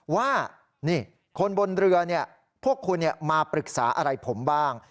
ว่าคนบนเรือพวกคุณมาปรึกษาอะไรผมบ้าง